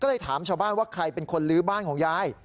ก็เลยถามชาวบ้านว่าใครเป็นคนลื้อบ้านของยาย